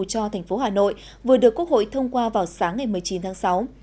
cho tp hà nội vừa được quốc hội thông qua vào sáng ngày một mươi chín tháng sáu